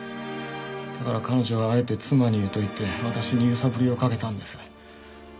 だから彼女はあえて妻に言うと言って私に揺さぶりをかけたんです。